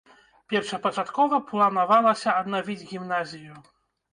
Першапачаткова планавалася аднавіць гімназію.